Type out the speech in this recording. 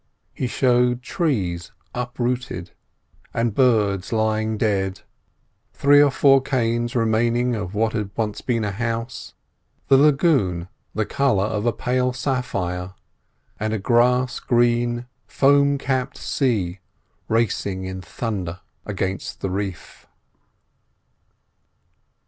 He showed trees uprooted and birds lying dead, three or four canes remaining of what had once been a house, the lagoon the colour of a pale sapphire, and a glass green, foam capped sea racing in thunder against the reef.